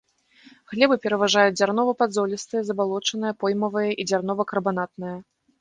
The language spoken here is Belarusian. Глебы пераважаюць дзярнова-падзолістыя, забалочаныя, поймавыя і дзярнова-карбанатныя.